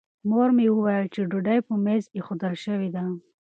مور مې وویل چې ډوډۍ په مېز ایښودل شوې ده.